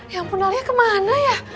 ya ampun alia kemana ya